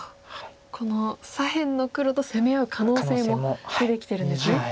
この左辺の黒と攻め合う可能性も出てきてるんですね。